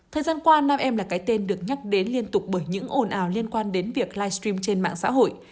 thời gian qua nam em là cái tên được nhắc đến liên tục bởi những ồn ào liên quan đến việc livestream trên mạng xã hội